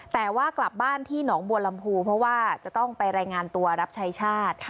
แต่ว่ากลับบ้านที่หนองบัวลำพูเพราะว่าจะต้องไปรายงานตัวรับใช้ชาติ